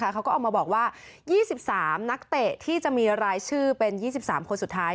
เขาก็ออกมาบอกว่า๒๓นักเตะที่จะมีรายชื่อเป็น๒๓คนสุดท้าย